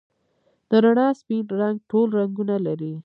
د رڼا سپین رنګ ټول رنګونه لري.